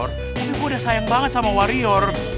tapi gue udah sayang banget sama wario